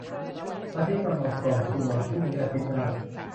วันที่กำหนดส่งคือวันพรุ่งนี้อาทิตย์หน้า